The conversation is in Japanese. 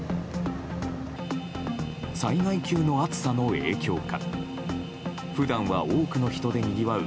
災害級の暑さの影響か普段は多くの人でにぎわう